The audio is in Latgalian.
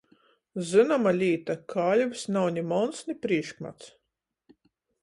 Zynoma līta – kaļvs nav ni monts, ni prīškmats!